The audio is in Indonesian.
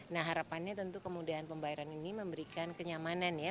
nah harapannya tentu kemudahan pembayaran ini memberikan kenyamanan ya